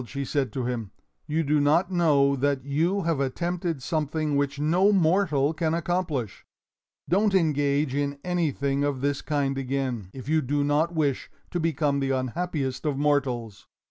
she said to him, "you do not know that you have attempted something which no mortal can accomplish. Don't engage in anything of this kind again, if you do not wish to become the unhappiest of mortals!